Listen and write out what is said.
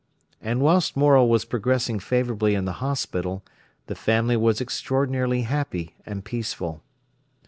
And whilst Morel was progressing favourably in the hospital, the family was extraordinarily happy and peaceful.